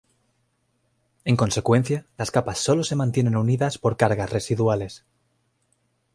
En consecuencia, las capas solo se mantienen unidas por cargas residuales.